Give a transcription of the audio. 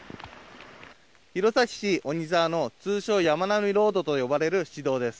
弘前市鬼沢の通称やまなみロードと呼ばれる市道です。